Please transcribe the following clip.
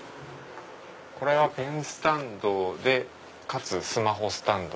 これはペンスタンドでかつスマホスタンド。